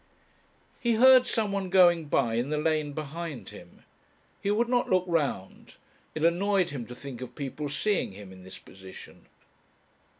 He heard someone going by in the lane behind him. He would not look round it annoyed him to think of people seeing him in this position.